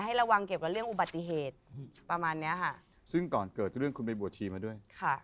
ระวังเกี่ยวกับเรื่องอุบัติเหตุประมาณเนี้ยค่ะซึ่งก่อนเกิดเรื่องคุณไปบวชชีมาด้วยค่ะ